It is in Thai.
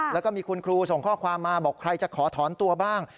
แล้วก็มีคุณครูส่งข้อความมาบอกใครจะขอถอนตัวบ้าง